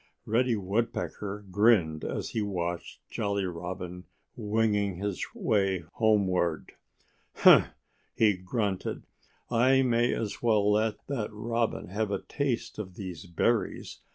Reddy Woodpecker grinned as he watched Jolly Robin winging his way homeward. "Humph!" he grunted. "I may as well let that Robin have a taste of these berries.